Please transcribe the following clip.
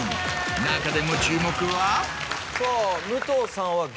中でも注目は。